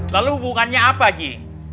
lalu hubungannya apa haji